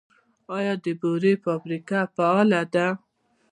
آیا د بورې فابریکه فعاله ده؟